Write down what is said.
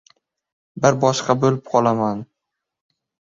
Bir boshqa bo‘lib qolaman.